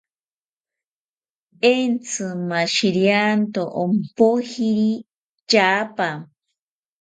Entzi mashirianto ompojiri tyaapa